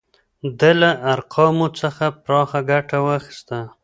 ده له ارقامو څخه پراخه ګټه واخیسته.